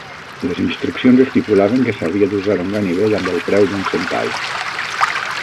Les instruccions estipulaven que s"havia d"usar un ganivet amb el "preu d"un centau".